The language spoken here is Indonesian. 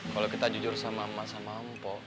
kalau kita jujur sama emak emak